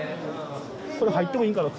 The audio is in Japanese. それ入ってもいいんかな？